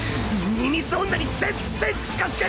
みみず女に全然近づけねえ！